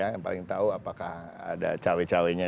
yang paling tahu apakah ada cawe cawe nya